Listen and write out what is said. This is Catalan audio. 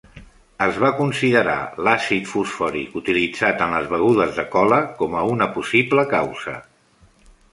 Es va considerar l'àcid fosfòric utilitzat en les begudes de cola com a una possible causa.